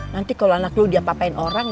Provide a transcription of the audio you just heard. nanti kalau anak lu diapapain orang